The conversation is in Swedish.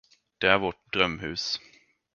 Det är vårt drömhus.